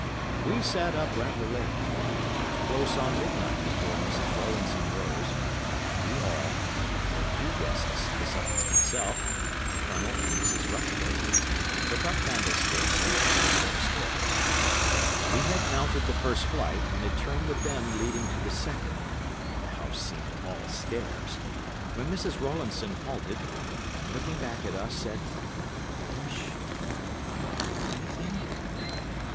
We sat up rather late, and it was close on midnight before Mrs. Rowlandson rose, and we all—there were two guests besides myself, a Colonel and Mrs. Rushworth—took our candlesticks, and followed her upstairs. We had mounted the first flight, and had turned the bend leading to the second—the house seemed all stairs—when Mrs. Rowlandson halted, and, looking back at us, said, "Hush! Do you hear anything?"